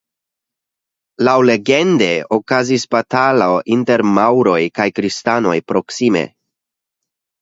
Laŭlegende okazis batalo inter maŭroj kaj kristanoj proksime.